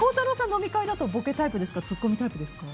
飲み会だとボケタイプですかツッコミタイプですか？